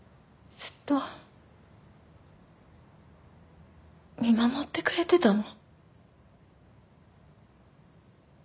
ずっと見守ってくれてたの？